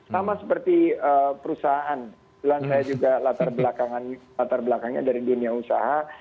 sama seperti perusahaan bilang saya juga latar belakangnya dari dunia usaha